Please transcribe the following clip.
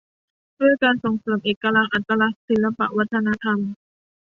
ด้วยการส่งเสริมเอกลักษณ์ อัตลักษณ์ ศิลปวัฒนธรรม